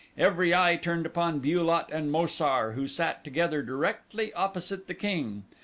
Every eye turned upon Bu lot and Mo sar, who sat together directly opposite the king.